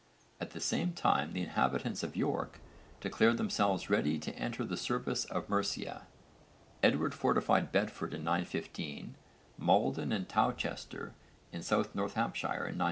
At the same time the inhabitants of York declared themselves ready to enter the service of Mercia. Edward fortified Bedford in 915, Maldon and Towcester in South Northamptonshire in 916.